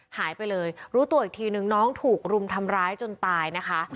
หายไปเลยรู้ตัวอีกทีนึงน้องถูกรุมทำร้ายจนตายนะคะ